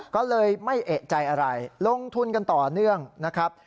ก็เลยไม่เอกใจอะไรลงทุนกันต่อเนื่องนะครับ